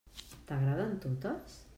T'agraden totes?